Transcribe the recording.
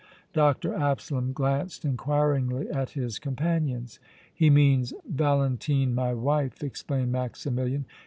Dr. Absalom glanced inquiringly at his companions. "He means Valentine, my wife," explained Maximilian.